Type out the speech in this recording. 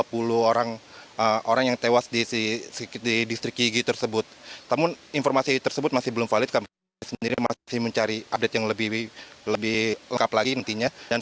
penangganan korban menembakan kelompok bersenjata di papua